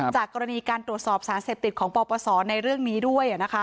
จากกรณีการตรวจสอบสารเสพติดของปปศในเรื่องนี้ด้วย